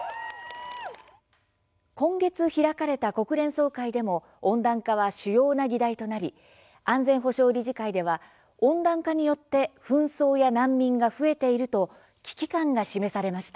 今月開かれた国連総会でも温暖化は主要な議題となり安全保障理事会では温暖化によって紛争や難民が増えていると危機感が示されました。